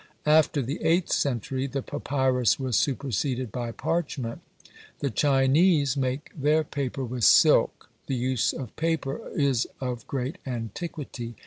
After the eighth century the papyrus was superseded by parchment. The Chinese make their paper with silk. The use of paper is of great antiquity.